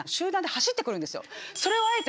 それをあえて。